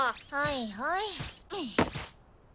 はいはい。